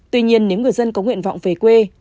tuy nhiên nếu người dân có nguyện vọng về quê